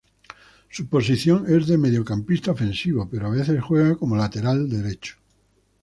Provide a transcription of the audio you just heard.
Su posición es de mediocampista ofensivo, pero a veces juega como lateral derecho.